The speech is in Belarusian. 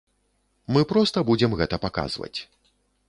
Мы проста будзем гэта паказваць.